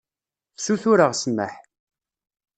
Sutureɣ ssmaḥ.